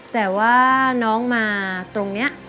แต่ว่าน้องมาตรงนี้